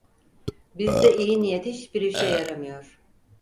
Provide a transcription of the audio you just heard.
Bizde iyi niyet hiçbir işe yaramıyor!